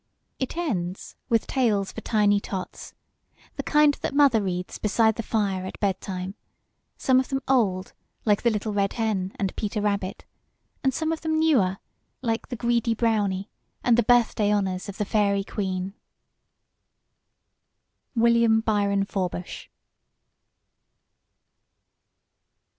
It ends with TALES FOR TINY TOTS, the kind that mother reads beside the fire at bedtime, some of them old, like the "Little Red Hen" and "Peter Rabbit," and some of them newer, like "The Greedy Brownie" and "The Birthday Honors of the Fairy Queen." WILLIAM BYRON FORBUSH.